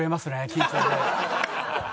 緊張で。